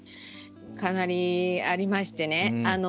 かなりありましてね。